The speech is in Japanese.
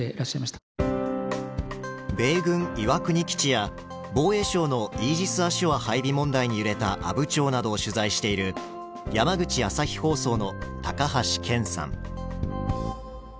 米軍岩国基地や防衛省のイージスアショア配備問題に揺れた阿武町などを取材している山口朝日放送の高橋賢さん。